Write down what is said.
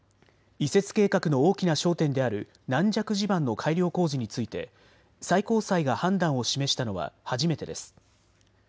移設計画の大きな焦点である軟弱地盤の改良工事について最高裁が判断を示したのは初めてです。